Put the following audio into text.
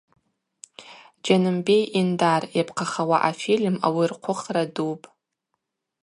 Джьанымбей Индар: йапхъахауа афильм – ауи рхъвыхра дупӏ.